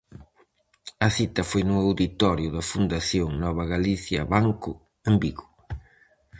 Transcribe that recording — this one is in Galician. A cita foi no Auditorio da Fundación Novagalicia Banco en Vigo.